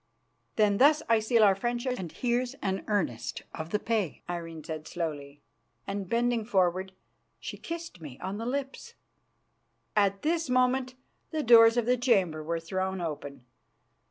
"Then thus I seal our friendship and here's an earnest of the pay," Irene said slowly, and, bending forward, she kissed me on the lips. At this moment the doors of the chamber were thrown open.